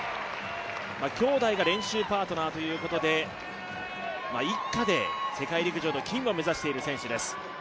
兄弟が練習パートナーということで、一家で世界陸上の金を目指している選手です。